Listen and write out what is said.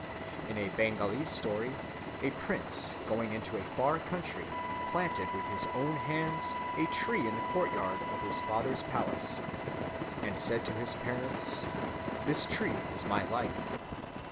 In a Bengalee story a prince going into a far country planted with his own hands a tree in the courtyard of his father's palace, and said to his parents, "This tree is my life.